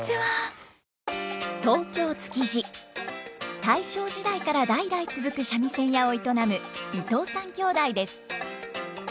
東京・築地大正時代から代々続く三味線屋を営む伊藤さん兄弟です。